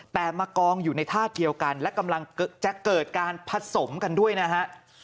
แต่มากองอยู่ในท่าเดียวกันและกำลังจะเกิดการผสมกันด้วยนะฮะ